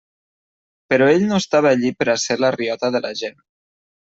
Però ell no estava allí per a ser la riota de la gent.